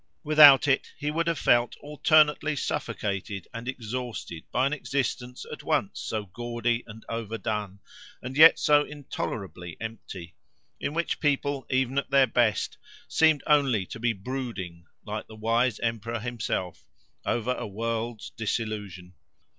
Without it, he would have felt alternately suffocated and exhausted by an existence, at once so gaudy and overdone, and yet so intolerably empty; in which people, even at their best, seemed only to be brooding, like the wise emperor himself, over a world's disillusion.